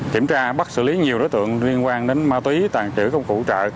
kiểm tra bắt xử lý nhiều đối tượng liên quan đến ma túy tàn trữ công cụ trợ